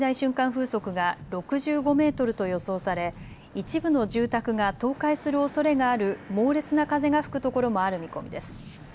風速が６５メートルと予想され一部の住宅が倒壊するおそれがある猛烈な風が吹くところもある見込みです。